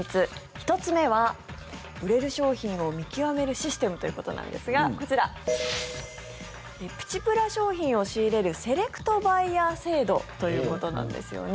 １つ目は、売れる商品を見極めるシステムということなんですがこちら、プチプラ商品を仕入れるセレクトバイヤー制度ということなんですよね。